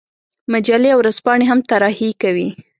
مجلې او ورځپاڼې هم طراحي کوي.